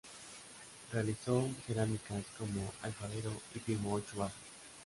Realizó cerámicas como alfarero y firmó ocho vasos.